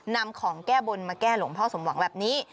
นำของแก้บนมาแก้หลวงพ่อสมหวังแบบนี้